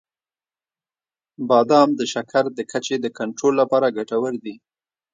• بادام د شکر د کچې د کنټرول لپاره ګټور دي.